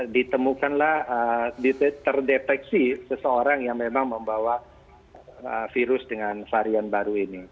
ditemukanlah terdeteksi seseorang yang memang membawa virus dengan varian